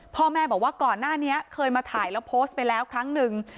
พ่อแม่บอกว่าก่อนหน้านี้เคยมาถ่ายแล้วโพสต์ไปแล้วครั้งหนึ่ง